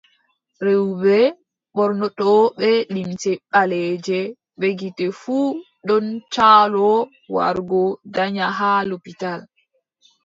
Rewɓe ɓornotooɓe limce ɓaleeje bee gite fuu ɗon caloo wargo danya haa lopital.